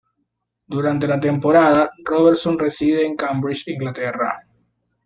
Durante la temporada, Robertson reside en Cambridge, Inglaterra.